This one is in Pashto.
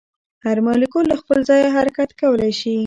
هر مالیکول له خپل ځایه حرکت کولی شي.